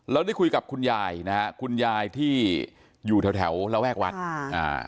แล้วได้คุยกับคุณยายคุณยายที่อยู่แถวระแวกวัฒน์